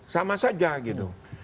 sama saja gitu